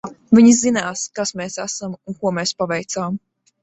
Viņi zinās, kas mēs esam un ko mēs paveicām.